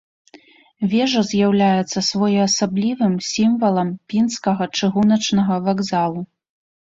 Вежа з'яўляецца своеасаблівым сімвалам пінскага чыгуначнага вакзалу.